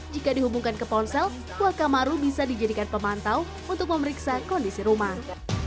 jika dihubungkan ke ponsel kuakamaru bisa dijadikan pemantau untuk memeriksa kondisi rumah